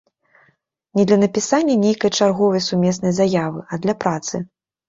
Не для напісання нейкай чарговай сумеснай заявы, а для працы.